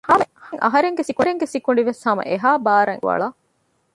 ހަމައެހެން އަހަރެންގެ ސިކުނޑިވެސް ހަމަ އެހާ ބާރަށް އެބަ ބުރުއަޅަ